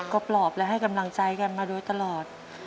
ก็ปลอบและให้กำลังใจกันมาโดยตลอด